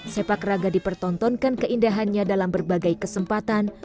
sepak raga dipertontonkan keindahannya dalam berbagai kesempatan